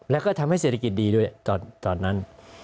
แล้วก็ทำให้เศรษฐกิจดีด้วยตอนนั้น